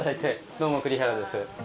どうも栗原です。